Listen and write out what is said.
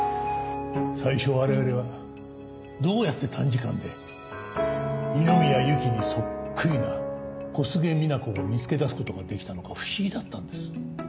最初我々はどうやって短時間で二宮ゆきにそっくりな小菅みな子を見つけ出す事ができたのか不思議だったんです。